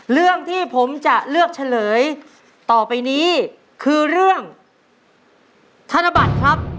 เรื่องที่ผมจะเลือกเฉลยต่อไปนี้คือเรื่องธนบัตรครับ